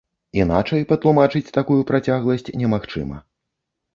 Іначай патлумачыць такую працягласць немагчыма.